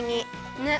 ねっ！